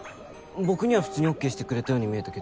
僕には普通にＯＫしてくれたように見えたけど。